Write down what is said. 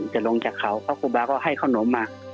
จะลงจากเขาพระครูบาก็ให้ขนมมา